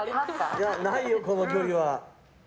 いや、ないよ、この距離は。